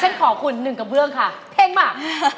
ฉันขอขอคุณหนึ่งกระเบื้องค่ะเพลงมา